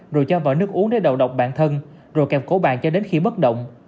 rồi cho vợ nước uống để đầu độc bản thân rồi kèm cổ bàn cho đến khi bất động